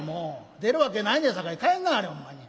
出るわけないねんさかい帰んなはれほんまに。